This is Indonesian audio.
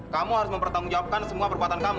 kamu harus mempertanggungjawabkan semua perbuatan kamu